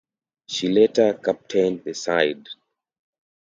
She later captained the side.